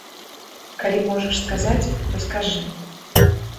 Калі можаш сказаць, то скажы.